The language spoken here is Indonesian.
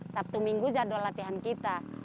sabtu minggu jadwal latihan kita